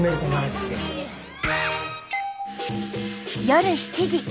夜７時。